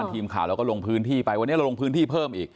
ทีมข่าวเราก็ลงพื้นที่ไปวันนี้เราลงพื้นที่เพิ่มอีก